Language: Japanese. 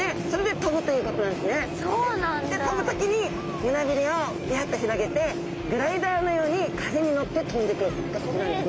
飛ぶ時に胸びれをバッと広げてグライダーのように風に乗って飛んでいくんですね。